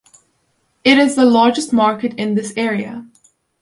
It is the largest market in this area.